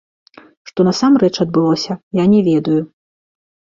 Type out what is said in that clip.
Што насамрэч адбылося, я не ведаю.